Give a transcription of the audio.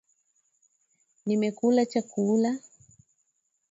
Nimekula chakula.